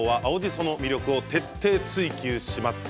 その魅力を徹底追求します。